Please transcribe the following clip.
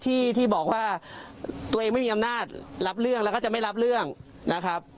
ที่ที่บอกว่าตัวเองไม่มีอำนาจรับเรื่องแล้วก็จะไม่รับเรื่องนะครับ